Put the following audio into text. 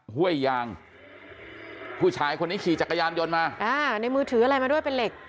ห้วยยางผู้ชายคนนี้ขี่จักรยานยนต์มาอ่าในมือถืออะไรมาด้วยเป็นเหล็ก